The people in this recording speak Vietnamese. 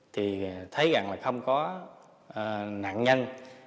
thì thấy rằng là không có nạn nhân